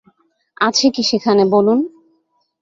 আছে কি সেখানে, বলুন?